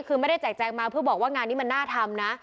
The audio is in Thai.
คือไม่ได้แจกแจงมาเพื่อบอกว่างานนี้มันน่าทำนะ